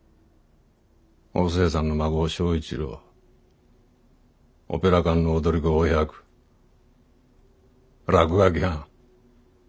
お勢さんの孫正一郎オペラ館の踊り子お百落書き犯。